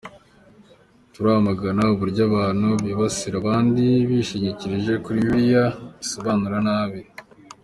Turamagana uburyo abantu bibasira abandi bishingikirije kuri Bibiliya basobanura nabi.